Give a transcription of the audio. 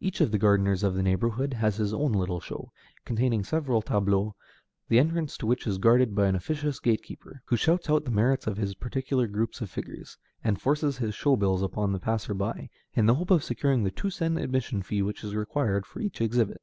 Each of the gardeners of the neighborhood has his own little show, containing several tableaux, the entrance to which is guarded by an officious gate keeper, who shouts out the merits of his particular groups of figures, and forces his show bills upon the passer by, in the hope of securing the two sen admission fee which is required for each exhibit.